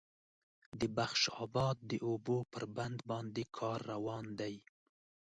د بخش آباد د اوبو پر بند باندې کار روان دی